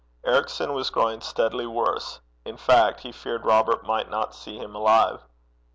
Ericson was growing steadily worse in fact, he feared Robert might not see him alive.